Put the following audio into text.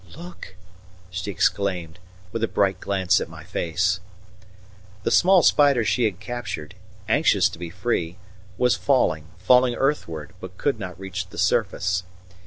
"Look!" she exclaimed, with a bright glance at my face. The small spider she had captured, anxious to be free, was falling, falling earthward, but could not reach the surface.